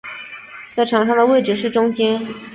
在场上的位置是中坚。